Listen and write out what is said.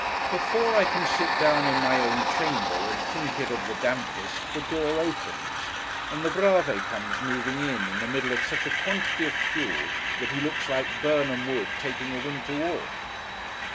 Before I can sit down in my own chamber, and think it of the dampest, the door opens, and the Brave comes moving in, in the middle of such a quantity of fuel that he looks like Birnam Wood taking a winter walk.